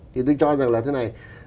thì tôi cho rằng là thế này